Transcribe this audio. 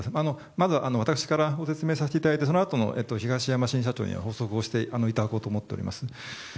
まず私からご説明させていただいてそのあと東山新社長に補足をしていただこうと思っております。